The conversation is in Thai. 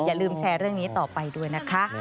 อย่าลืมแชร์เรื่องนี้ต่อไปด้วยนะคะ